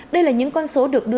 đây là những con số được tổ chức